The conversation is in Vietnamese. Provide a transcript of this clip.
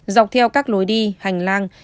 dọc theo các lối đi hành lang